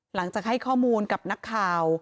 หลังจากให้ข้อมูลกับนักข่าว